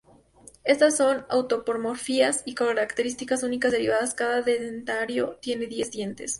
Estas son autapomorfias, o características únicas derivadas: cada dentario tiene diez dientes.